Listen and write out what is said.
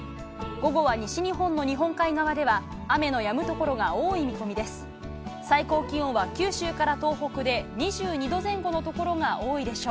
午後は西日本の日本海側では雨のやむ所が多い見込みです。